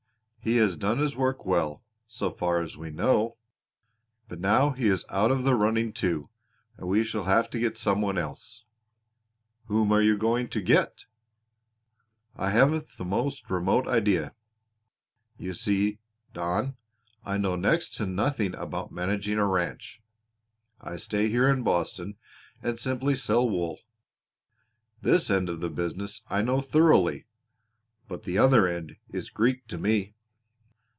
He has done his work well, so far as we know; but now he is out of the running too and we shall have to get some one else." "Whom are you going to get?" "I haven't the most remote idea. You see, Don, I know next to nothing about managing a ranch. I stay here in Boston and simply sell wool. This end of the business I know thoroughly, but the other end is Greek to me."